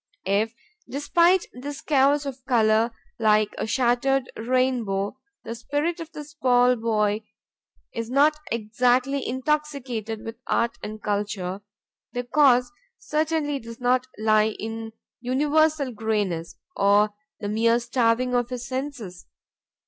If, despite this chaos of color, like a shattered rainbow, the spirit of the small boy is not exactly intoxicated with art and culture, the cause certainly does not lie in universal grayness or the mere starving of his senses.